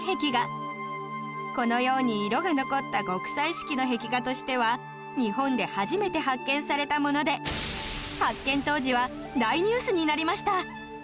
このように色が残った極彩色の壁画としては日本で初めて発見されたもので発見当時は大ニュースになりました